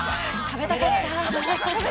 ◆食べたかった。